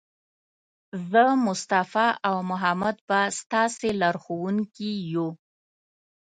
زه، مصطفی او محمد به ستاسې لارښوونکي یو.